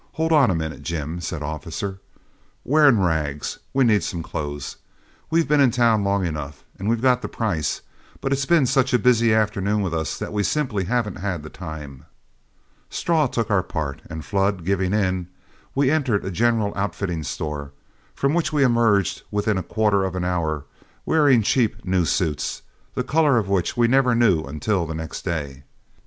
"Hold on a minute, Jim," said Officer. "We're in rags; we need some clothes. We've been in town long enough, and we've got the price, but it's been such a busy afternoon with us that we simply haven't had the time." Straw took our part, and Flood giving in, we entered a general outfitting store, from which we emerged within a quarter of an hour, wearing cheap new suits, the color of which we never knew until the next day.